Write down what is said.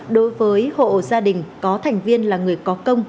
đối với hộ gia đình có thành viên là người có công